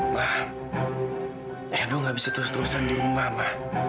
ma edo nggak bisa terus terusan di rumah ma